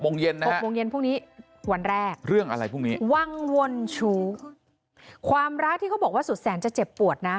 ๖โมงเย็นพรุ่งนี้วันแรกเรื่องอะไรพวกนี้วังวลชู้ความรักที่เขาบอกว่าสุดแสนจะเจ็บปวดนะ